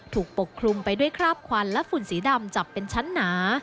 ปกคลุมไปด้วยคราบควันและฝุ่นสีดำจับเป็นชั้นหนา